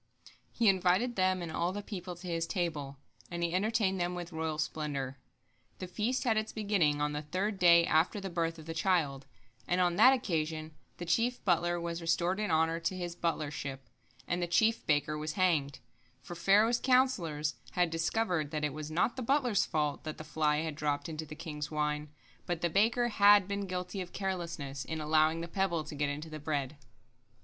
He invited them and all the people to his table, and he entertained them with royal splendor. The feast had its beginning on the third day after the birth of the child, and on that occasion the chief butler was restored in honor to his butlership, and the chief baker was hanged, for Pharaoh's counsellors had discovered that it was not the butler's fault that the fly had dropped into the king's wine, but the baker had been guilty of carelessness in allowing the pebble to get into the bread.